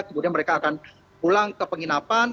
kemudian mereka akan pulang ke penginapan